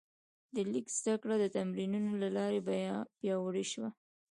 د لیک زده کړه د تمرینونو له لارې پیاوړې شوه.